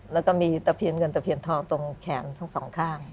แล้วก็มีตะเพียนเงินตะเพียนทองตรงแขนทั้งสองข้าง